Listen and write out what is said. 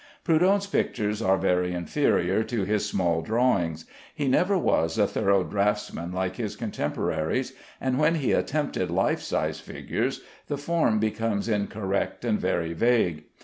Prudhon's pictures are very inferior to his small drawings. He never was a thorough draughtsman like his contemporaries, and when he attempted life size figures, the form becomes incorrect and very vague.